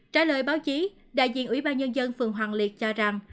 trả lời báo chí đại diện ủy ban nhân dân phường hoàng liệt cho rằng